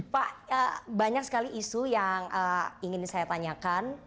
pak banyak sekali isu yang ingin saya tanyakan